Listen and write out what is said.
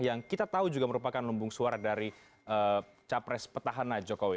yang kita tahu juga merupakan lumbung suara dari capres petahana jokowi